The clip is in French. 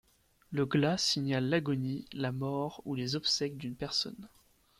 Le glas signale l'agonie, la mort ou les obsèques d'une personne.